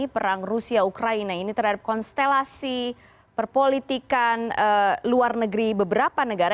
perang rusia ukraina ini terhadap konstelasi perpolitikan luar negeri beberapa negara